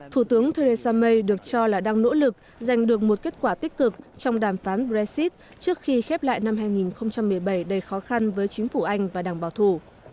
thủ tướng theresa may được cho là đang nỗ lực giành được một kết quả tích cực trong đàm phán brexit trước khi khép lại năm hai nghìn một mươi bảy đầy khó khăn với chính phủ anh và đảng bảo thủ